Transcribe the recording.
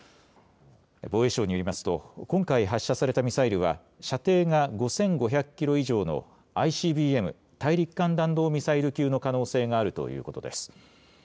防衛省によりますと、今回発射されたミサイルは、射程が５５００キロ以上のＩＣＢＭ・大陸間弾道ミサイル級の可能性があるということです。